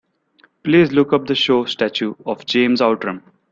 Please look up the show Statue of James Outram.